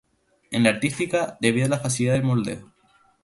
En la artística, debido a la facilidad de moldeo.